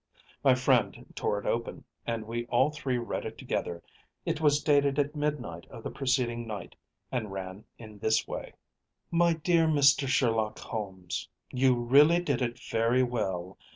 ‚ÄĚ My friend tore it open, and we all three read it together. It was dated at midnight of the preceding night and ran in this way: “MY DEAR MR. SHERLOCK HOLMES,‚ÄĒYou really did it very well.